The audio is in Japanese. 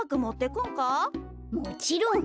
もちろん！